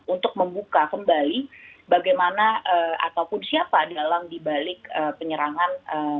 untuk membuka kembali bagaimana ataupun siapa dalam dibalik penyerangan